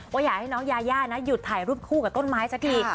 ว่าอยากให้น้องยาย่านะหยุดถ่ายรูปคู่กับต้นไม้สักที